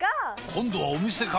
今度はお店か！